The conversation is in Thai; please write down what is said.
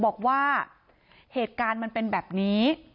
บอกว่าเหตุการณ์มันเป็นแบบนี้